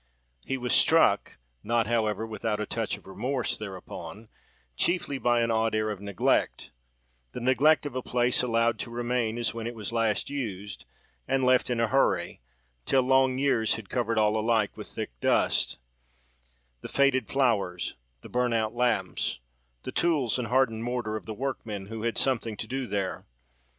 He was struck, not however without a touch of remorse thereupon, chiefly by an odd air of neglect, the neglect of a place allowed to remain as when it was last used, and left in a hurry, till long years had covered all alike with thick dust —the faded flowers, the burnt out lamps, the tools and hardened mortar of the workmen who had had something to do there.